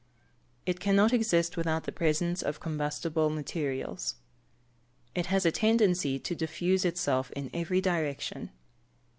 It cannot exist without the presence of combustible materials. It has a tendency to diffuse itself in every direction.